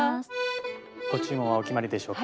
ご注文はお決まりでしょうか？